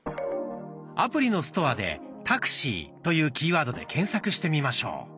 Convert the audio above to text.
アプリのストアで「タクシー」というキーワードで検索してみましょう。